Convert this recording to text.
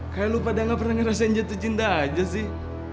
kayaknya lu pada gak pernah ngerasain jatuh cinta aja sih